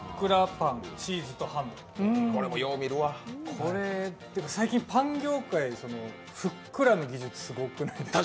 これ、最近パン業界、ふっくらの技術すごくないですか？